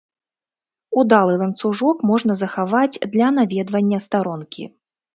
Удалы ланцужок можна захаваць для наведвання старонкі.